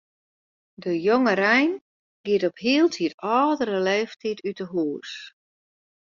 De jongerein giet op hieltyd âldere leeftiid út 'e hús.